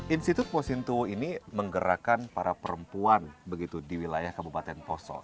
institut posinto ini menggerakkan para perempuan begitu di wilayah kabupaten poso